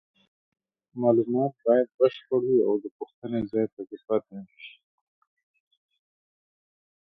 معلومات باید بشپړ وي او د پوښتنې ځای پکې پاتې نشي.